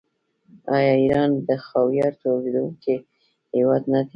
آیا ایران د خاویار تولیدونکی هیواد نه دی؟